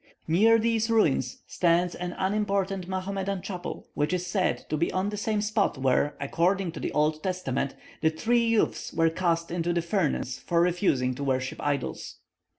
Near these ruins stands an unimportant Mahomedan chapel, which is said to be on the same spot where, according to the Old Testament, the three youths were cast into the furnace for refusing to worship idols.